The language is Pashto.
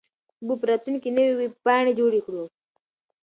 موږ به په راتلونکي کې نوې ویبپاڼې جوړې کړو.